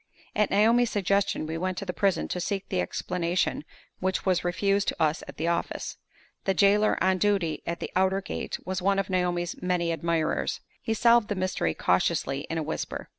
At Naomi's suggestion, we went to the prison to seek the explanation which was refused to us at the office. The jailer on duty at the outer gate was one of Naomi's many admirers. He solved the mystery cautiously in a whisper.